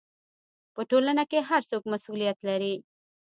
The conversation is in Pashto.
په ټولنه کې هر څوک مسؤلیت لري.